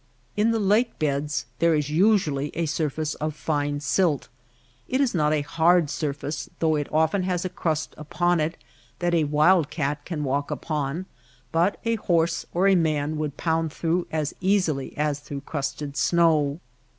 In the lake beds there is usually a surface of fine silt. It is not a hard surface though it often has a crust upon it that a wildcat can walk upon, but a horse or a man would pound through as easily as through crusted snow.